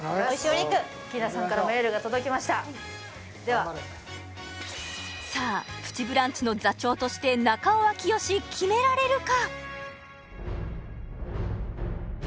アッキーナさんからもエールが届きましたでは頑張るさあ「プチブランチ」の座長として中尾明慶決められるか？